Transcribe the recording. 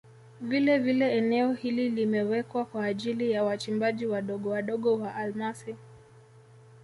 Vilevile eneo hili limewekwa kwa ajili ya wachimbaji wadogo wadogo wa almasi